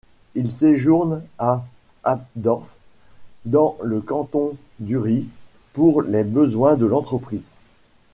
Il séjourne à Altdorf dans le canton d'Uri pour les besoins de l'entreprise.